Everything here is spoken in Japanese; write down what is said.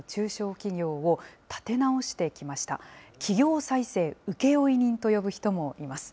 企業再生請負人と呼ぶ人もいます。